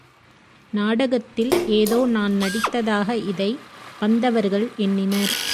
நாடகத்தில் ஏதோ நான் நடித்ததாக இதை வந்தவர்கள் எண்ணினர்.